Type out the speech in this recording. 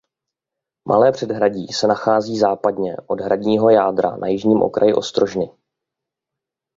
Malé předhradí se nachází západně od hradního jádra na jižním okraji ostrožny.